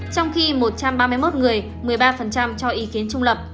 trong khi một trăm ba mươi một người một mươi ba cho ý kiến trung lập